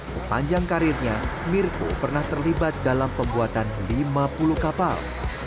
sepanjang karirnya mirko pernah terlibat dalam pembuatan lima puluh kapal